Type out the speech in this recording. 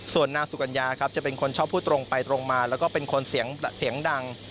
ส่วนนางสุกัญญาครับจะเป็นคนชอบพูดตรงไปตรงมาแล้วก็เป็นคนเสียงดัง